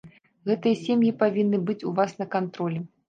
Гэтыя сем'і павінны быць у вас на кантролі.